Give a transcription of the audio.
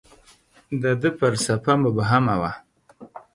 • د ده فلسفه مبهمه وه.